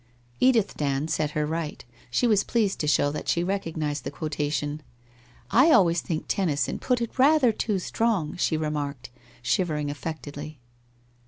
Edith Dand set her right. She was pleased to show that she recognized the quotation. ' I always think Tenny son put it rather too strong!' she remarked, shivering affectedly.